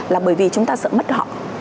là bởi vì chúng ta sợ mất họ